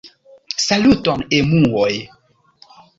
Saluton, emuoj!